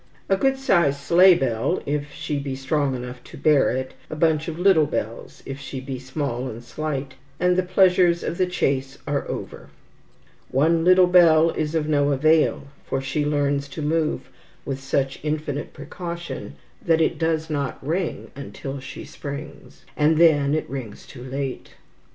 A good sized sleigh bell, if she be strong enough to bear it, a bunch of little bells, if she be small and slight, and the pleasures of the chase are over. One little bell is of no avail, for she learns to move with such infinite precaution that it does not ring until she springs, and then it rings too late.